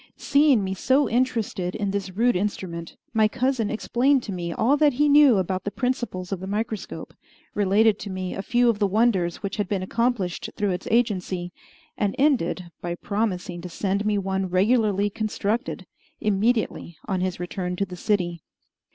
Seeing me so interested in this rude instrument, my cousin explained to me all that he knew about the principles of the microscope, related to me a few of the wonders which had been accomplished through its agency, and ended by promising to send me one regularly constructed, immediately on his return to the city.